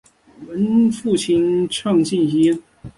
父亲畅敬先。